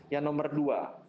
yang nomor dua